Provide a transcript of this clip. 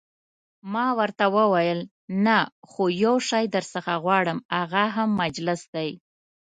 ما ورته وویل: نه، خو یو شی درڅخه غواړم، هغه هم مجلس دی.